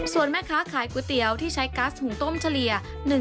ส่วนแม่ค้าขายก๋วยเตี๋ยวที่ใช้ก๊าซหุงต้มเฉลี่ย